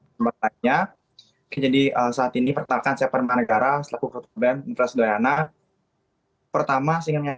tampaknya ada kendala komunikasi ya